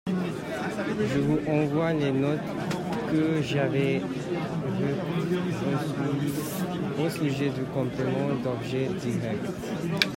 Je vous envoie les notes que j’avais recueillies au sujet du complément d’objet direct.